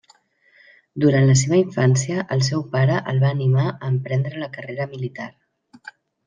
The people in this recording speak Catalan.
Durant la seva infància, el seu pare el va animar a emprendre la carrera militar.